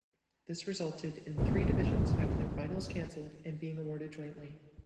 This resulted in three divisions having their finals cancelled and being awarded jointly.